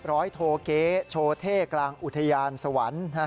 ร้อยโทเกโชเทกลางอุทยานสวรรค์